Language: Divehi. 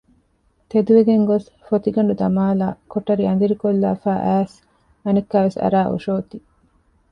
ތެދުވެގެން ގޮސް ފޮތިގަނޑު ދަމާލައި ކޮޓަރި އަނދިރިކޮށްލާފައި އައިސް އަނެއްކާވެސް އަރާ އޮށޯތީ